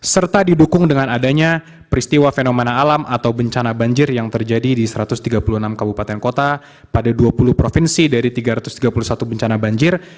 serta didukung dengan adanya peristiwa fenomena alam atau bencana banjir yang terjadi di satu ratus tiga puluh enam kabupaten kota pada dua puluh provinsi dari tiga ratus tiga puluh satu bencana banjir